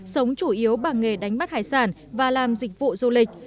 sống chủ yếu bằng nghề đánh bắt hải sản và làm dịch vụ du lịch